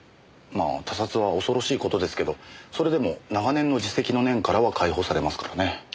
まあ他殺は恐ろしい事ですけどそれでも長年の自責の念からは解放されますからね。